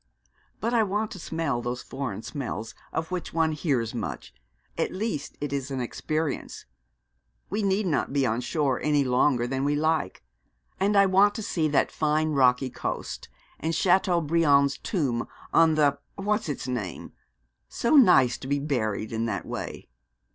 'But I want to smell those foreign smells of which one hears much. At least it is an experience. We need not be on shore any longer than we like. And I want to see that fine rocky coast, and Chateaubriand's tomb on the what's its name. So nice to be buried in that way.'